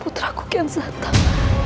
putra kuki yang santang